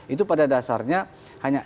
itu pada dasarnya hanya